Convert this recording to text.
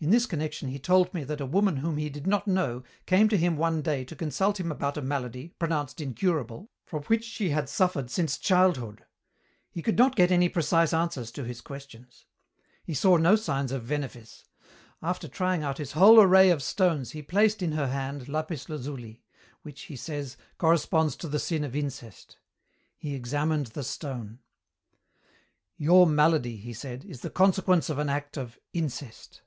In this connection he told me that a woman whom he did not know came to him one day to consult him about a malady, pronounced incurable, from which she had suffered since childhood. He could not get any precise answers to his questions. He saw no signs of venefice. After trying out his whole array of stones he placed in her hand lapis lazuli, which, he says, corresponds to the sin of incest. He examined the stone. "'Your malady,' he said, 'is the consequence of an act of incest.'